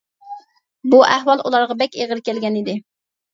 بۇ ئەھۋال ئۇلارغا بەك ئېغىر كەلگەن ئىدى.